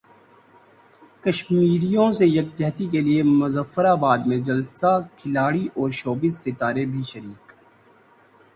کشمیریوں سے یکجہتی کیلئے مظفر اباد میں جلسہ کھلاڑی اور شوبز ستارے بھی شریک